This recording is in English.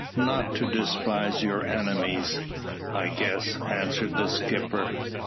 "Not to despise your enemies, I guess," answered the skipper.